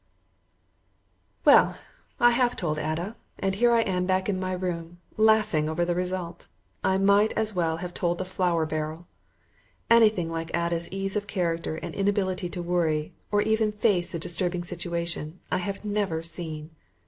Well, I have told Ada, and here I am back in my room, laughing over the result. I might as well have told the flour barrel. Anything like Ada's ease of character and inability to worry or even face a disturbing situation I have never seen.